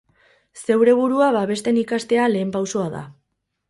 Zeure burua babesten ikastea lehen pausoa da.